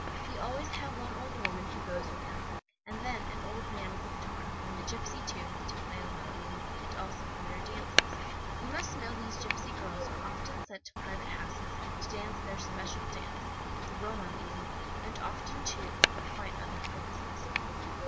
They always have one old woman who goes with them, and then an old man with a guitar, a gipsy too, to play alone, and also for their dances. You must know these gipsy girls are often sent for to private houses, to dance their special dance, the Romalis, and often, too, for quite other purposes.